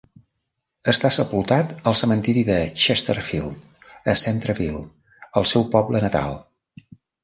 Està sepultat al cementiri de Chesterfield, a Centreville, el seu poble natal.